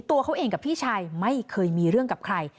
ตัวเขาเองกับพี่ชายไม่เคยมีเรื่องกับใคร